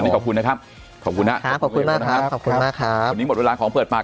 วันนี้ขอบคุณนะครับ